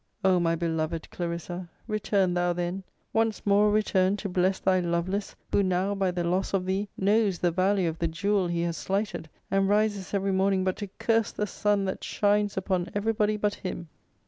O my beloved CLARISSA, return thou then; once more return to bless thy LOVELACE, who now, by the loss of thee, knows the value of the jewel he has slighted; and rises every morning but to curse the sun that shines upon every body but him!